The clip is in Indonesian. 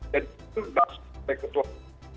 jadi itu sudah sampai ketua umum